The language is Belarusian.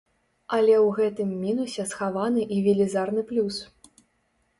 Але ў гэтым мінусе схаваны і велізарны плюс.